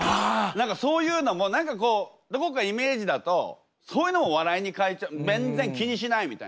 何かそういうのも何かどこかイメージだとそういうのも笑いに変えちゃう全然気にしないみたいな。